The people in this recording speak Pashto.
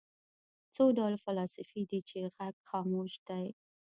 څه ډول فلاسفې دي چې غږ خاموش دی.